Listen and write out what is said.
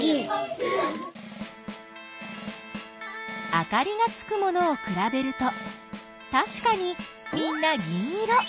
あかりがつくものをくらべるとたしかにみんな銀色。